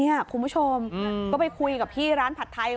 คุณผู้ชมก็ไปคุยกับพี่ร้านผัดไทย